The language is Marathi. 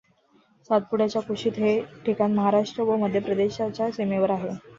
सातपुड्याच्या कुशीतील हे ठिकाण महाराष्ट्र व मध्यप्रदेशाच्या सीमेवर आहे.